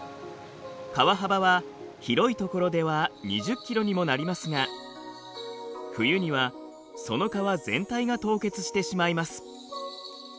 川幅は広い所では２０キロにもなりますが冬にはその川全体が凍結してしまいます。